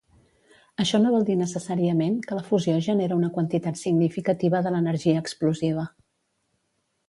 Això no vol dir necessàriament que la fusió genera una quantitat significativa de l'energia explosiva.